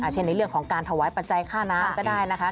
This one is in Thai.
เช่นในเรื่องของการถวายปัจจัยค่าน้ำก็ได้นะคะ